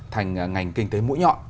thành ngành kinh tế mũi nhọn